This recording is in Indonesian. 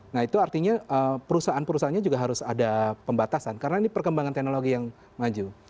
nah itu artinya perusahaan perusahaannya juga harus ada pembatasan karena ini perkembangan teknologi yang maju